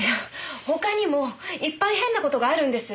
他にもいっぱい変な事があるんです！